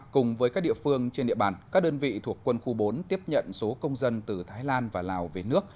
cùng với các địa phương trên địa bàn các đơn vị thuộc quân khu bốn tiếp nhận số công dân từ thái lan và lào về nước